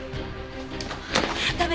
駄目！